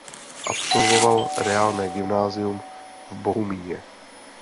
Absolvoval reálné gymnázium v Bohumíně.